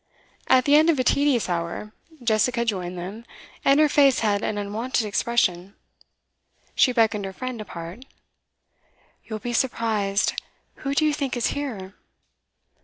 At the end of a tedious hour Jessica joined them, and her face had an unwonted expression. She beckoned her friend apart. 'You'll be surprised. Who do you think is here?